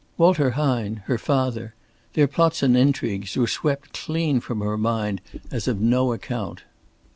Walter Hine, her father, their plots and intrigues, were swept clean from her mind as of no account.